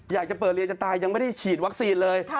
อยากจะเปิดเรียนจนตายยังไม่ได้ฉีดวัคซีนเลย